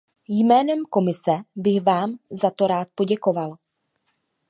Jménem Komise bych vám za to rád poděkoval.